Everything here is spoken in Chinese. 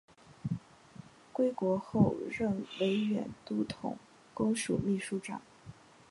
归国后任绥远都统公署秘书长。